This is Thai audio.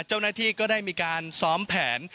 เจ้าหน้าที่ก็ได้มีการซ้อมแผน